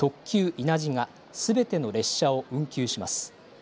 伊那路がすべての列車を運休します。